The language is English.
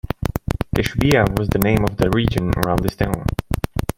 Kashubia was the name of the region around this town.